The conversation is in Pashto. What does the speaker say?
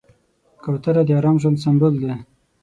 کوتره د ارام ژوند سمبول دی.